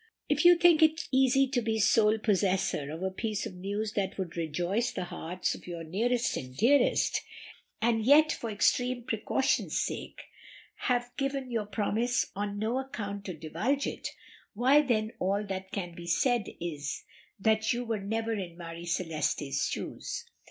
If you think it easy to be sole possessor of a piece of news that would rejoice the hearts of your nearest and dearest, and yet for extreme precaution's sake have given your promise on no account to divulge it, why then all that can be said is that you were never in Marie Celeste's shoes.